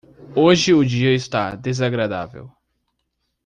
Hoje o dia está desagradável.